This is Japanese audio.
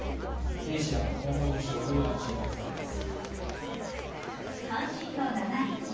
兵士らの今後の処遇が注目されます。